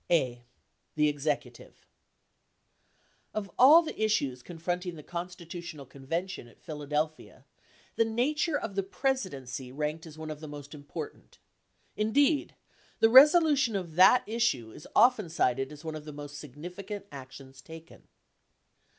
A. The Executive Of all the issues confronting the Constitutional Convention at Phila delphia, the nature of the Presidency ranked as one of the most im portant. Indeed, the resolution of that issue is often cited as one of the most significant actions taken.